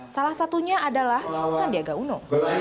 salah satunya adalah sandiaga uno